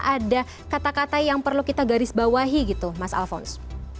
ada kata kata yang perlu kita garisbawahi gitu mas alfons